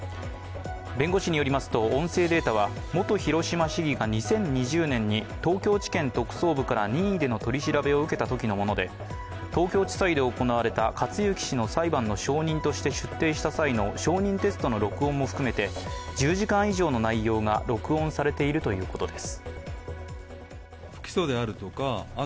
弁護士によりますと音声データは元広島市議が２０２０年に東京地検特捜部から任意での取り調べを受けたときのもので東京地裁で行われた克行氏の裁判の証人として出廷した際の証人テストの録音も含めて１０時間以上の内容が録音されているということです。